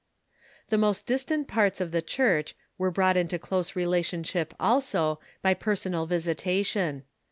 The most distant parts of the Church were brought into close relationship, also, by personal visitation.